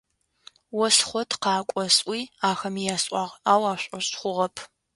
«Ос хъот къакӏо»,- сӏуи ахэми ясӏуагъ, ау ашӏошъ хъугъэп.